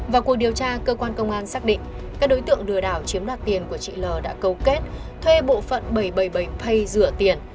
vào cuộc điều tra cơ quan công an xác định các đối tượng lừa đảo chiếm đoạt tiền của chị l đã cấu kết thuê bộ phận bảy trăm bảy mươi bảy pay rửa tiền